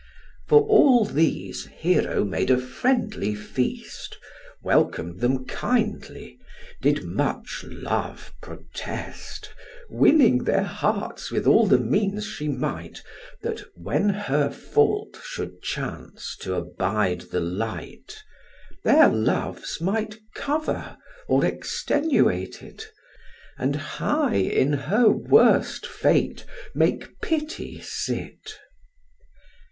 For all these Hero made a friendly feast, Welcom'd them kindly, did much love protest, Winning their hearts with all the means she might, That, when her fault should chance t' abide the light, Their loves might cover or extenuate it, And high in her worst fate make pity sit.